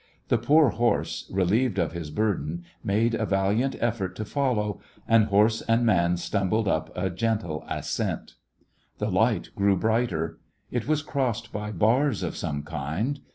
The poor horse, reheved of his burden, made a valiant effort to follow, and horse and man stumbled up a gentle ascent. The light grew brighter. It was crossed by bars of some kind.